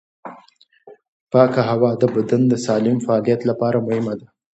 پاکه هوا د بدن د سالم فعالیت لپاره مهمه ده.